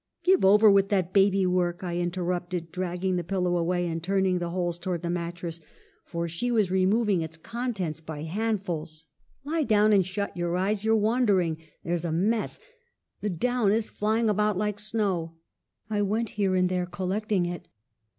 "' Give over with that baby work !' I inter rupted, dragging the pillow away, and turning the holes towards the mattress, for she was re 256 EMILY BRONTE. moving its contents by handfuls. ' Lie down and shut your eyes : you're wandering. There's a mess ! The down is flying about like snow.' " I went here and there collecting it.